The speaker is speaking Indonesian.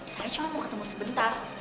saya cuma mau ketemu sebentar